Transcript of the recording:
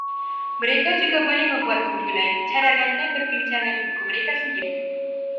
Mereka juga boleh membuat kumpulan cadangan dan perbincangan buku mereka sendiri